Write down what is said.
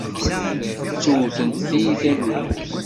Ttewtent tiyita n lmut.